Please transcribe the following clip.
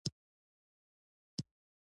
دال د غریبانو غوښه ده.